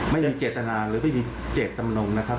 ไม่มีเจตนาหรือไม่มีเจตจำนงนะครับ